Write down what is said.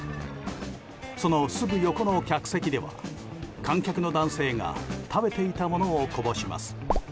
そのすぐ横の客席では観客の男性が食べていたものをこぼします。